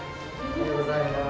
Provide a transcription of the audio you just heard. おはようございます。